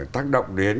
tác động đến